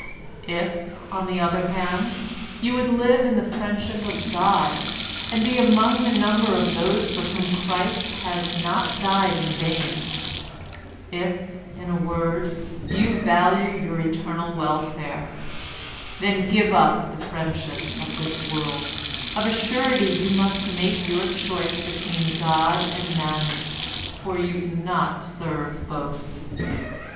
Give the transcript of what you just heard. If, on the other hand, you would live in the friendship of God, and be among the number of those for whom Christ has not died in vain; if, in a word, you value your eternal welfare, then give up the friendship of this world; of a surety you must make your choice between God and Mammon, for you cannot serve both.